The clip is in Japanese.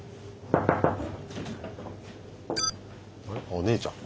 お姉ちゃん。